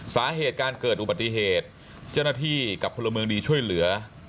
สาเหตุการเกิดอุบัติเหตุเจ้าหน้าที่กับพลเมืองดีช่วยเหลือ